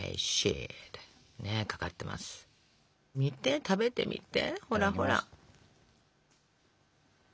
みて食べてみてほらほら。